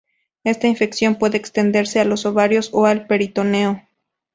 Esta infección puede extenderse a los ovarios o al peritoneo.